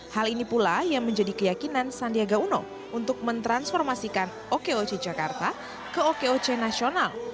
hal ini pula yang menjadi keyakinan sandiaga uno untuk mentransformasikan okoc jakarta ke okoc nasional